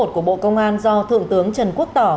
của bộ công an do thượng tướng trần quốc tỏ